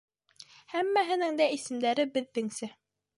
Һәммәһенең дә исемдәре беҙҙеңсә.